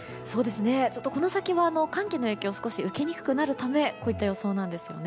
この先は寒気の影響を少し受けにくくなるためこういった予想なんですよね。